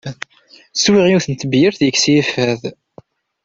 Swiɣ yiwet n tebyirt yekkes-iyi fad.